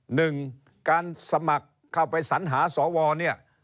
หนึ่งการสมัครเข้าไปสัญหาสวเนี่ย